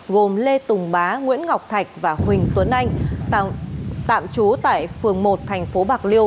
gồm lê tùng bá nguyễn ngọc thạch và huỳnh tuấn anh tạm trú tại phường một thành phố bạc liêu